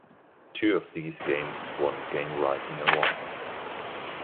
Two of these games won game writing awards.